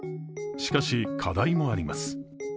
しかし、課題もあります。